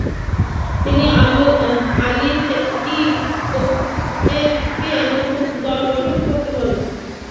তিনি Ali Fethi ওকয়েরকে নতুন দল গঠন করতে বলেন।